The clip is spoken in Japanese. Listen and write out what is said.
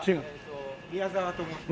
宮澤と申します。